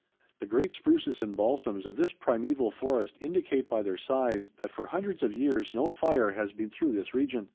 The great spruces and balsams of this primeval forest indicate by their size that for hundreds of years no fire has been through this region.